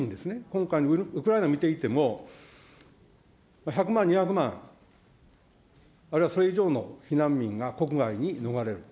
今回ウクライナ見ていても、１００万、２００万、あるいはそれ以上の避難民が国外に逃れる。